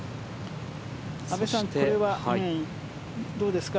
阿部さん、これはどうですか？